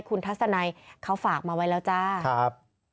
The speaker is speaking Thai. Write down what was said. คุณทัศนัยเขาฝากมาไว้แล้วจ้าครับ